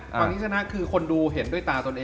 ความที่ชนะคือคนดูเห็นด้วยตาตนเอง